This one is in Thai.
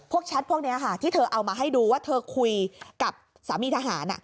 แชทพวกนี้ค่ะที่เธอเอามาให้ดูว่าเธอคุยกับสามีทหาร